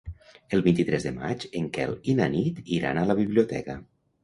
El vint-i-tres de maig en Quel i na Nit iran a la biblioteca.